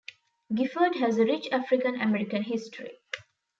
Gifford has a rich African American history.